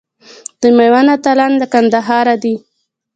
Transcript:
د میوند اتلان له کندهاره دي.